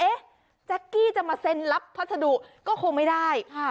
แจ๊กกี้จะมาเซ็นรับพัสดุก็คงไม่ได้